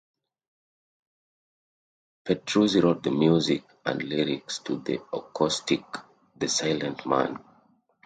'" Petrucci wrote the music and lyrics to the acoustic "The Silent Man".